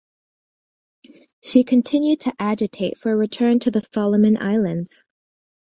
She continued to agitate for a return to the Solomon Islands.